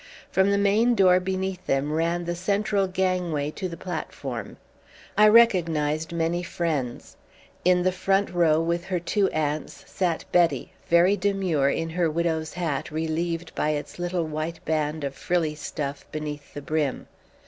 From the main door beneath them ran the central gangway to the platform. I recognised many friends. In the front row with her two aunts sat Betty, very demure in her widow's hat relieved by its little white band of frilly stuff beneath the brim.